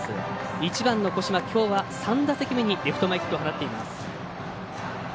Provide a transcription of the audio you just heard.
１番の後間、きょうは３打席目にレフト前ヒットを放っています。